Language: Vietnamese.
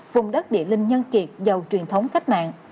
vùng đất địa linh nhân kiệt giàu truyền thống cách mạng